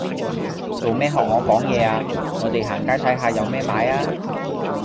做咩學我講嘢啊，我哋行街睇吓有咩買呀